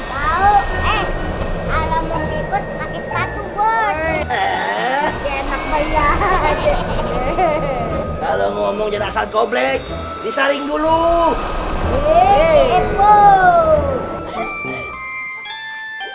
kalau ngomong jenak salko black disaring dulu